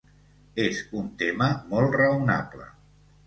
Es un tema molt raonable.